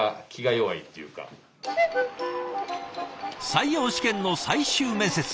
採用試験の最終面接